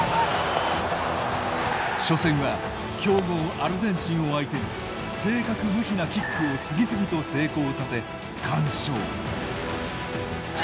初戦は強豪アルゼンチンを相手に正確無比なキックを次々と成功させ、完勝。